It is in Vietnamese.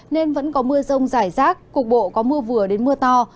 nên vẫn có mưa rông rải rác cục bộ có mưa vừa đến mưa to